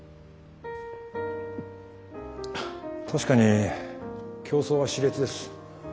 確かに競争は熾烈です。